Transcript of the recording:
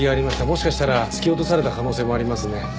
もしかしたら突き落とされた可能性もありますね。